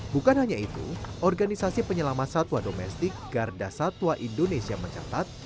bukan hanya itu organisasi penyelamat satwa domestik garda satwa indonesia mencatat